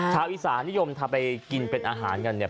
ชาวอีสานนิยมทำไปกินเป็นอาหารกันเนี่ย